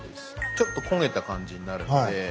ちょっと焦げた感じになるんで。